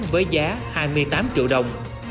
với giá hai mươi tám triệu đồng